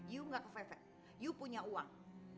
ibu gak kepepet ibu punya uang